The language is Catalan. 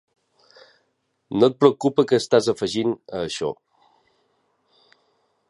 No et preocupa que estàs afegint a això.